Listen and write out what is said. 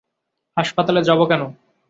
হাসপাতালে যাব কেন?